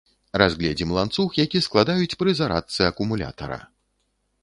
Разгледзім ланцуг, які складаюць пры зарадцы акумулятара.